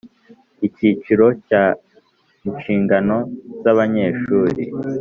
Icyiciro cya inshingano z abanyeshuri